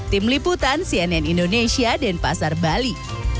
tim liputan cnn indonesia dan pasar bali